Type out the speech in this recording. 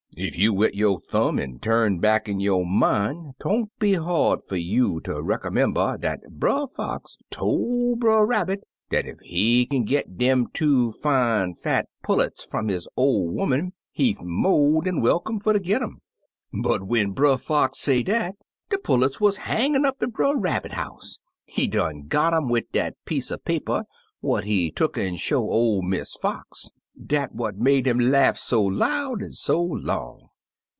"Ef you'll wet yo' thum', an'\ tum back in yo' min' 'twon't be hard fer you ter reckermember dat Brer Fox tol' Brer Rabbit dat ef he kin git dem two fine, fat pullets fum his ol' 'oman, he's mo' dan . welcome fer ter git um. But when Brer Fox say dat, de pullets wuz hangin' up at Brer Rabbit house; he done got um wid dat piece er paper what he tuck an' show ol' Miss Fox. Dat what make him laugh so loud an' so long.